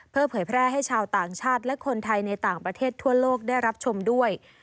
เพื่อเผยแพร่ให้ชาวต่างชาติและคนไทยในต่างประเทศทั่วโลกได้รับชมด้วย